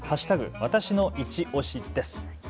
わたしのいちオシです。